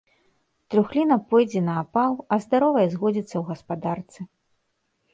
Трухліна пойдзе на апал, а здаровае згодзіцца ў гаспадарцы.